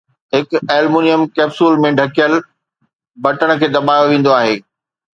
هڪ aluminium capsule ۾ ڍڪيل، بٽڻ کي دٻايو ويندو آهي